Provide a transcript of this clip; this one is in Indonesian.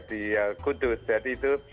di kudus jadi itu